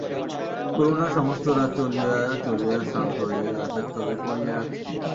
করুণা সমস্ত রাত চলিয়া চলিয়া শ্রান্ত হইয়া গাছের তলায় পড়িয়া আছে।